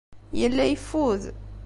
Yella yeffud.